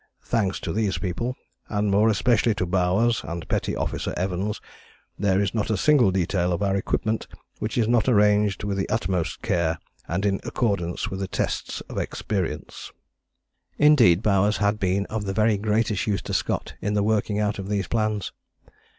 Thanks to these people, and more especially to Bowers and Petty Officer Evans, there is not a single detail of our equipment which is not arranged with the utmost care and in accordance with the tests of experience." Indeed Bowers had been of the very greatest use to Scott in the working out of these plans.